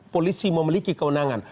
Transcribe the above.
polisi memiliki kewenangan